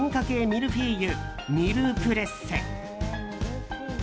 ミルフィーユミルプレッセ。